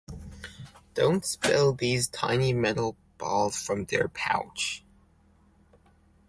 Don't spill these tiny metal balls from their pouch